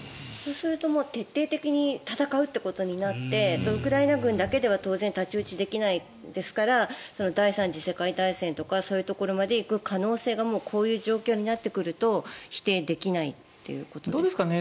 そうすると徹底的に戦うということになってウクライナ軍だけでは当然、太刀打ちできないですから第３次世界大戦とかそういうところまで行く可能性がもうこういう状況になってくると否定できないっていうことですか？